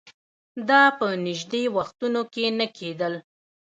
دا په نژدې وختونو کې نه کېدل